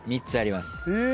３つあります。